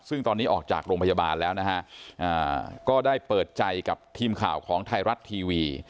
ซึ่งตอนนี้ออกจากโรงพยาบาลแล้วนะฮะก็ได้เปิดใจกับทีมข่าวของไทยรัฐทีวี